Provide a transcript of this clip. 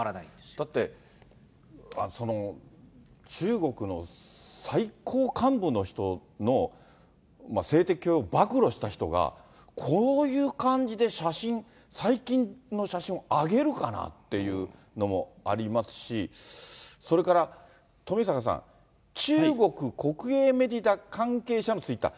だって、中国の最高幹部の人の性的強要を暴露した人が、こういう感じで写真、最近の写真を上げるかなっていうのもありますし、それから富坂さん、中国国営メディア関係者のツイッター。